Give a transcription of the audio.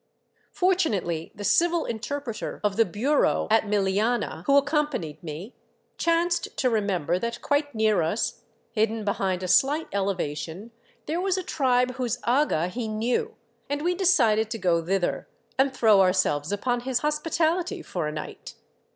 Fortunately, the civil interpreter of the Bureau at Milianah, who accompanied me, chanced to remember that quite near us, hidden behind a slight elevation, there was a tribe whose aga he knew, and we decided to go thither, and throw ourselves upon his hospitality for a night.